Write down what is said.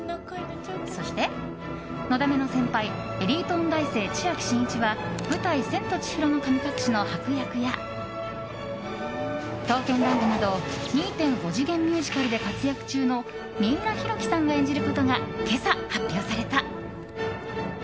そして、のだめの先輩エリート音大生、千秋真一は舞台「千と千尋の神隠し」のハク役や「刀剣乱舞」など２．５次元ミュージカルで活躍中の三浦宏規さんが演じることが今朝、発表された。